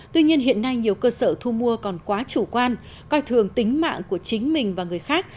tuy nhiên hiện nay nhiều cơ sở thu mua còn quá chủ quan coi thường tính mạng của chính mình và người khác